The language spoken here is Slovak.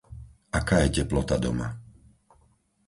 Aká je teplota doma?